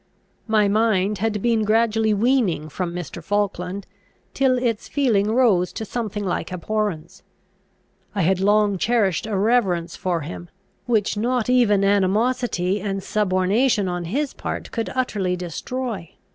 My mind had been gradually weaning from Mr. Falkland, till its feeling rose to something like abhorrence. I had long cherished a reverence for him, which not even animosity and subornation on his part could utterly destroy.